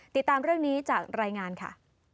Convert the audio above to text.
ติดตามเรื่องนี้จากรายงานค่ะ